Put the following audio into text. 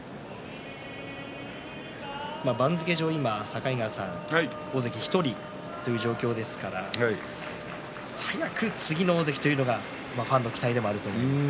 番付上、今大関１人という状況ですから早く次の大関というのがファンの期待でもあると思います。